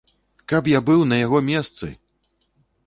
Каб я быў на яго месцы!